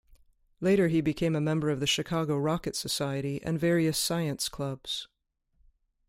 Later he became a member of the Chicago Rocket Society and various science clubs.